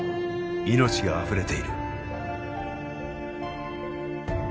命があふれている。